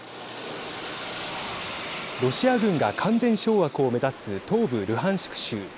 ロシア軍が完全掌握を目指す東部ルハンシク州。